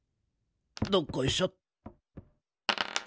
どっこいしょ。